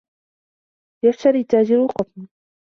يَشْتَرِي التَّاجِرُ الْقُطْنَ.